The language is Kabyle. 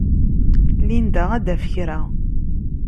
Linda ad d-taf kra.